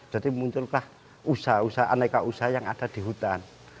jadi munculkan usaha usaha yang ada di hutan